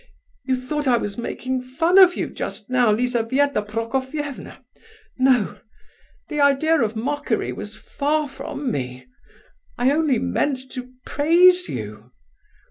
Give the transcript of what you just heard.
You thought I was making fun of you just now, Lizabetha Prokofievna? No, the idea of mockery was far from me; I only meant to praise you.